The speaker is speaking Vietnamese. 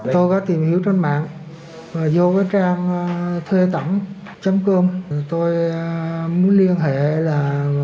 tôi có tìm hiểu trên mạng vô cái trang thuê tẩm chấm cơm tôi muốn liên hệ là